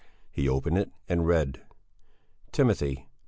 He opened it and read: Timothy x.